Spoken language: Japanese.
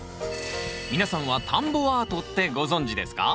皆さんは田んぼアートってご存じですか？